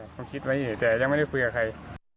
คิดไปเองแต่ยังไม่ได้คุยกับใคร